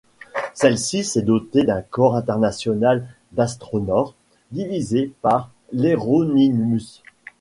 Celle-ci s'est dotée d'un corps international d'astronaures dirigé par Iéronimus.